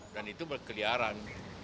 dan itu berkeliaran